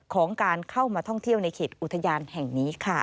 ของการเข้ามาท่องเที่ยวในเขตอุทยานแห่งนี้ค่ะ